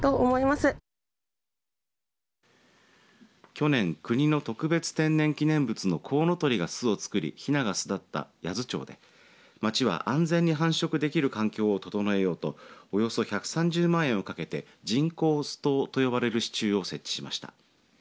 去年、国の特別天然記念物のコウノトリが巣を作りひなが巣立った八頭町で町は安全に繁殖できる環境を整えようとおよそ１３０万円をかけて人工巣塔と呼ばれる支柱を設置しました。